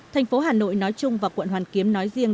thành phố hà nội nói chung và quận hoàn kiếm nói riêng